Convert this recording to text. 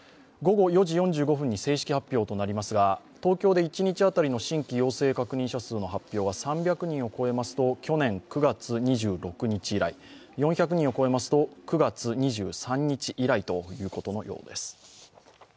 午後４時４５分に正式発表となりますが東京で一日当たりの新規陽性確認者数の発表は３００人を超えますと去年９月２６日以来、４００人を超えますと９月２３日以来ということのようです。